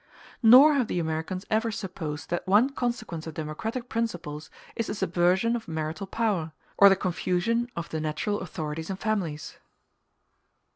Nor have the Americans ever supposed that one consequence of democratic principles is the subversion of marital power, of the confusion of the natural authorities in families.